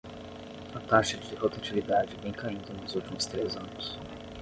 A taxa de rotatividade vem caindo nos últimos três anos.